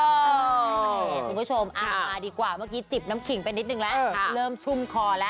คุณผู้ชมมาดีกว่าเมื่อกี้จิบน้ำขิงไปนิดนึงแล้วเริ่มชุ่มคอแล้ว